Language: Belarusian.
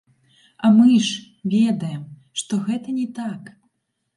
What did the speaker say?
А мы ж, ведаем, што гэта не так!